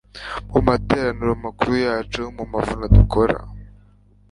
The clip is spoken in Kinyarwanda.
mu materaniro makuru yacu mu mavuna dukora